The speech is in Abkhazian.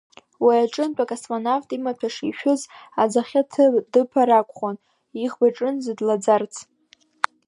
Уи аҿынтә, акосмонавт имаҭәа шишәыз, аӡахьы дыԥар акәхон, иӷбаҿынӡа длаӡарц.